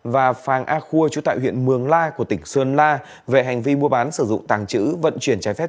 và phàng a khua chú tại huyện mường la của tỉnh sơn la về hành vi mua bán sử dụng tàng trữ vận chuyển trái phép